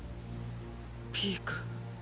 ピーク。